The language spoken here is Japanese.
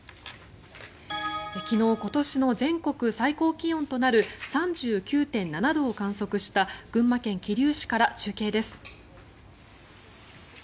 昨日、今年の全国最高気温となる３９．７度を観測した群馬県桐生市から中継です。